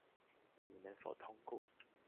隊伍能否通過